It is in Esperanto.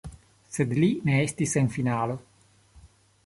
Sed li ne estis en finalo.